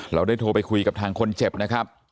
เราได้โทรไปคุยกับทางคนเจ็บนะครับ